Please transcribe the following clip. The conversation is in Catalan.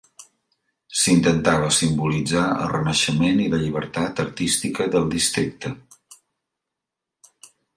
S'intentava simbolitzar el renaixement i la llibertat artística del districte.